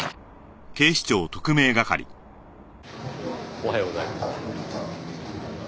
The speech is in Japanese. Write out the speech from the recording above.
おはようございます。